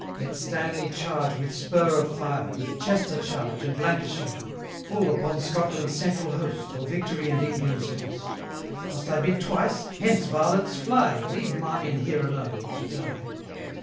Let Stanley charge with spur of fire, With Chester charge, and Lancashire, Full upon Scotland's central host, 890 Or victory and England's lost. Must I bid twice? hence, varlets! fly! Leave Marmion here alone to die.'